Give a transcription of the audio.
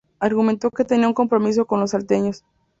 Argumentó que tenía un compromiso con los salteños.